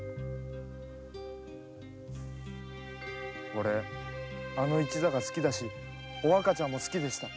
おれあの一座が好きだしお若ちゃんも好きでした。